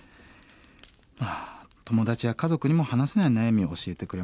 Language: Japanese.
ああ友達や家族にも話せない悩みを教えてくれました。